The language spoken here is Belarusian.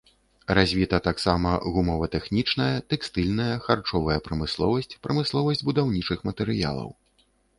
Развіта таксама гумава-тэхнічная, тэкстыльная, харчовая прамысловасць, прамысловасць будаўнічых матэрыялаў.